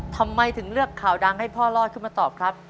ทำไมถึงเลือกข่าวดังให้พ่อรอดขึ้นมาตอบครับ